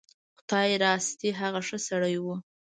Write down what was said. خدای راستي هغه ښه سړی و.